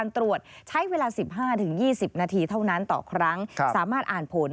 เท่านั้นต่อครั้งสามารถอ่านผล